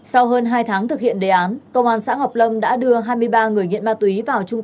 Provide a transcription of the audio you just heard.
sau hơn hai tháng thực hiện đề án công an xã ngọc lâm đã đưa hai mươi ba người nghiện ma túy vào trung